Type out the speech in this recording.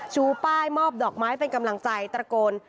ชูป้ายมอบดอกไม้เป็นกำลังใจตระโกน